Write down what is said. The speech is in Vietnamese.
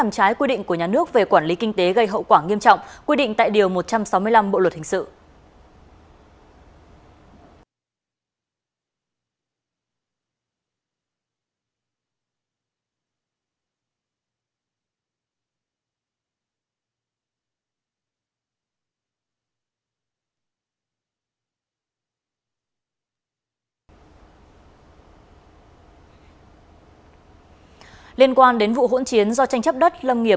xin chào và hẹn gặp lại